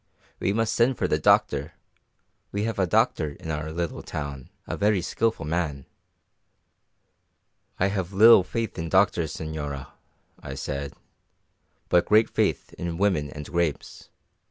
"We must send for the doctor we have a doctor in our little town, a very skilful man." "I have little faith in doctors, señora," I said, "but great faith in women and grapes.